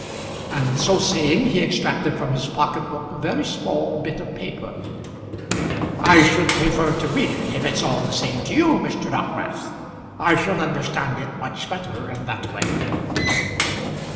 And so saying he extracted from his pocket book a very small bit of paper. "I should prefer to read it, if it's all the same to you, Mr. Dockwrath. I shall understand it much better in that way."